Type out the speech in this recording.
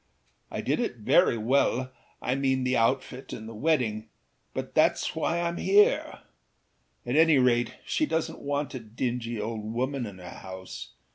I did it very wellâI mean the outfit and the wedding; but thatâs why Iâm here. At any rate she doesnât want a dingy old woman in her house.